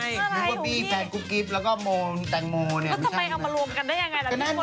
เหมือนกับบี่แฟนกุ๊บกิ๊บแล้วก็โมแต่งโมเนี่ยแล้วทำไมเอามารวมกันได้ยังไง